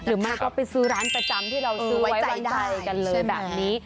หรือไม่ก็ไปซื้อร้านประจำที่เราซื้อไว้ใจกันเลยแบบนี้